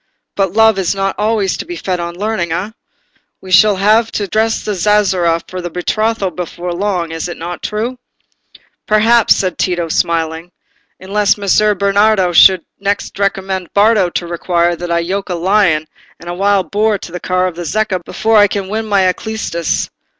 But love is not always to be fed on learning, eh? I shall have to dress the zazzera for the betrothal before long—is it not true?" "Perhaps," said Tito, smiling, "unless Messer Bernardo should next recommend Bardo to require that I should yoke a lion and a wild boar to the car of the Zecca before I can win my Alcestis.